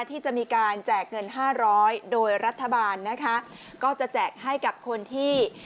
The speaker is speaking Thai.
ที่จะมีการแจกเงินห้าร้อยโดยรัฐบาลนะคะก็จะแจกให้กับคนที่